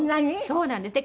そうなんです。